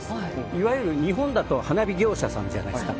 いわゆる日本だと花火業者じゃないですか。